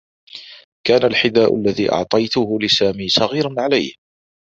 كان الحذاء الذي أعطيته لسامي صغيرا عليه.